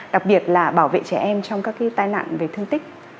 đặc biệt là bảo vệ trẻ em trong các tai nạn về thương tích